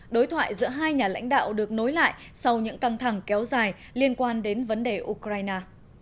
đối thoại giữa hai nhà lãnh đạo được nối lại sau những căng thẳng kéo dài liên quan đến vấn đề ukraine